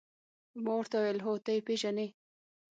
ما ورته وویل: هو، ته يې پېژنې؟